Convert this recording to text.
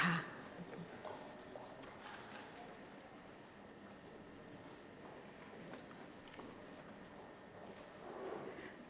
หมายเลข๑๐๐